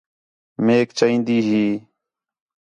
میک چائیندی ہی